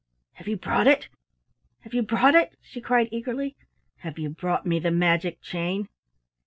"Have you brought it? Have you brought it?" she cried eagerly. "Have you brought me the magic chain?"